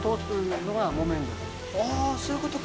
あぁそういうことか。